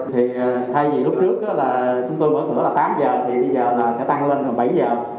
thì thay vì lúc trước là chúng tôi mở cửa là tám giờ thì bây giờ là sẽ tăng lên là bảy giờ